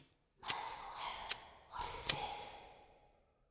Merciful Heaven, what is this!"